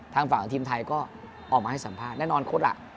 ทางฝั่งทีมไทยก็ออกมาให้สัมภาษณ์แน่นอนคดล่ะ